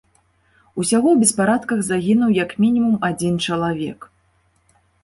Усяго ў беспарадках загінуў як мінімум адзін чалавек.